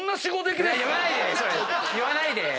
言わないでそれ！